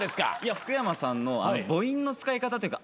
福山さんの母音の使い方というか。